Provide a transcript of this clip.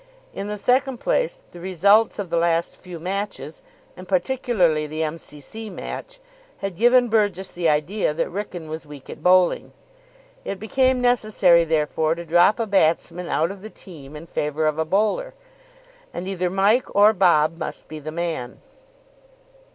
In the second place, the results of the last few matches, and particularly the M.C.C. match, had given Burgess the idea that Wrykyn was weak at bowling. It became necessary, therefore, to drop a batsman out of the team in favour of a bowler. And either Mike or Bob must be the man.